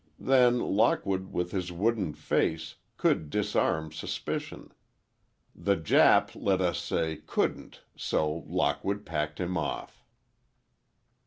Then Lockwood with his wooden face, could disarm suspicion. The Jap, let us say, couldn't, so Lockwood packed him off."